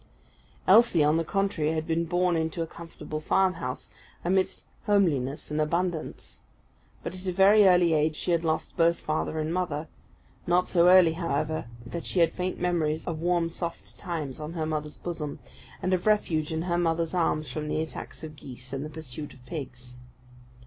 Elsie, on the contrary, had been born in a comfortable farmhouse, amidst homeliness and abundance. But at a very early age she had lost both father and mother; not so early, however, but that she had faint memories of warm soft times on her mother's bosom, and of refuge in her mother's arms from the attacks of geese, and the pursuit of pigs.